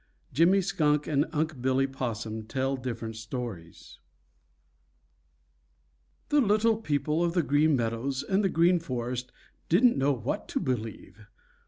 IX JIMMY SKUNK AND UNC' BILLY POSSUM TELL DIFFERENT STORIES The little people of the Green Meadows and the Green Forest didn't know what to believe.